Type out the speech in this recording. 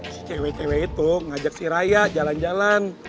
si cewek cewek itu ngajak si raya jalan jalan